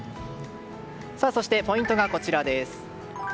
そして、ポイントがこちらです。